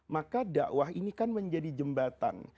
maka dakwah ini kan menjadi jembatan